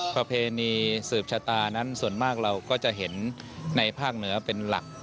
ประเพณีสืบชะตานั้นส่วนมากเราก็จะเห็นในภาคเหนือเป็นหลัก